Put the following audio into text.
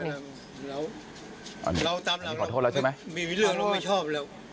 ตามเนี่ยมีเรื่องที่อ้าวมิไม่ชอบแล้ว